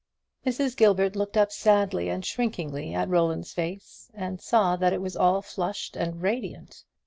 Mrs. Gilbert looked up sadly and shrinkingly at Roland's face, and saw that it was all flushed and radiant.